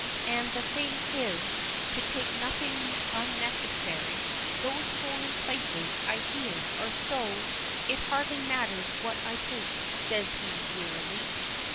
And the thing is, to take nothing unnecessary. Those foreign places, I hear, are so " "It hardly matters what I take," says he wearily.